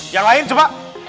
yang lain coba